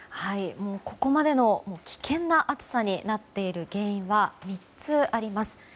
ここまでの危険な暑さになっている原因は３つあります。